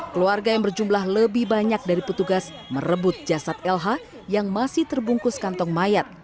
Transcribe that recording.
keluarga yang berjumlah lebih banyak dari petugas merebut jasad lh yang masih terbungkus kantong mayat